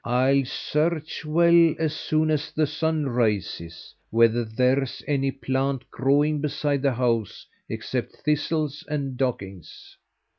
I'll search well as soon as the sun rises, whether there's any plant growing beside the house except thistles and dockings."